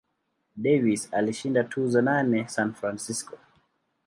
Davis alishinda tuzo nane San Francisco.